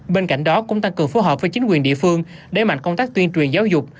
bên cạnh đó cũng tăng cường phối hợp với chính quyền địa phương để mạnh công tác tuyên truyền giáo dục